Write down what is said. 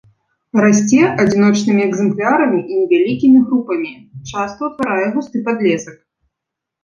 Расце адзіночнымі экземплярамі і невялікімі групамі, часта ўтварае густы падлесак.